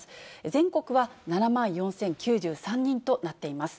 全国は７万４０９３人となっています。